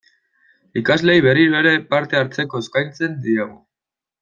Ikasleei, berriro ere, parte hartzeko eskatzen diegu.